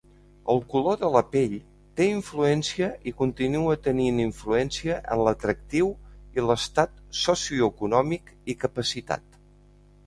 El color de la pell té influència i continua tenint influència en l'atractiu i l'estat socioeconòmic i capacitat.